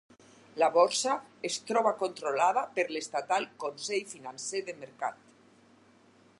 La borsa es troba controlada per l'estatal Consell Financer de Mercat.